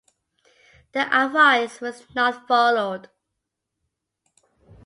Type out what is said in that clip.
The advice was not followed.